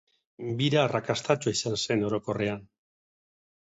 Bira arrakastatsua izan zen orokorrean.